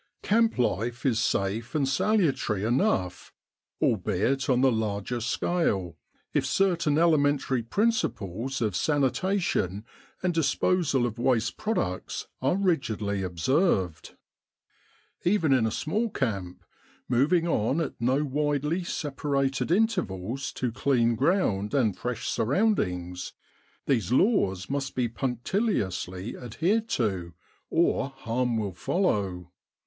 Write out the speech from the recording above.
Camp life is safe and salutary enough, albeit on the largest scale, if certain element ary principles of sanitation and disposal of waste pro 20 Egypt and the Great War ducts are rigidly observed. Even in a small camp, moving on at no widely separated intervals to clean ground and fresh surroundings, these laws must be punctiliously adhered to, or harm will follow.